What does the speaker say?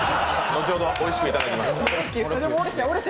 のちほど、おいしくいただきます。